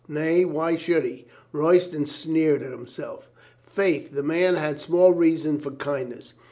Nay, why should he? Royston sneered at himself. Faith, the man had small reason for kindness.